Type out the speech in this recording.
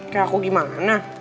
kayak aku gimana